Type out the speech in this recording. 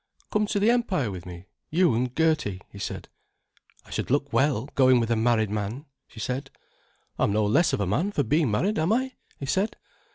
"Come to the Empire with me—you and Gertie," he said. "I should look well, going with a married man," she said. "I'm no less of a man for being married, am I?" he said.